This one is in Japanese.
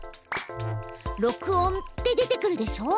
「録音」って出てくるでしょ？